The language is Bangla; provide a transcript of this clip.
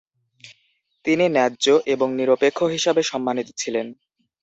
তিনি ন্যায্য এবং নিরপেক্ষ হিসাবে সম্মানিত ছিলেন।